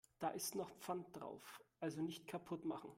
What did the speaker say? Da ist noch Pfand drauf, also nicht kaputt machen.